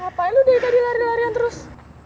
ngapain lu deh tadi lari larian terus